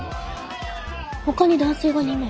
ほかに男性が２名。